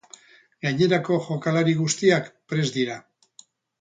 Gainerako jokalari guztiak prest dira.